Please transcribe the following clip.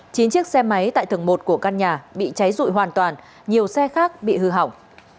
chín chiếc xe máy tại tầng một của căn nhà bị cháy rụi hoàn toàn nhiều xe khác bị hư hỏng